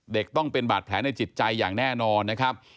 ต้องเป็นบาดแผลในจิตใจอย่างแน่นอนนะครับ